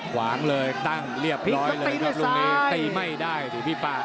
ขวางเลยตั้งเรียบร้อยเลยครับลูกนี้ตีไม่ได้สิพี่ป่า